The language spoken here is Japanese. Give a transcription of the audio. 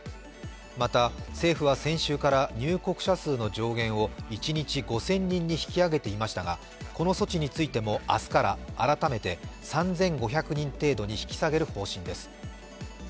また政府は先週から入国者数の上限を一日５０００人に引き上げていましたが、この措置についても明日から改めて３５００人程度に引き下げる方針です。